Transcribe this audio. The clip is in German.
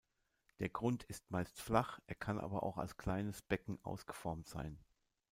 Der Grund ist meist flach, er kann aber auch als kleines Becken ausgeformt sein.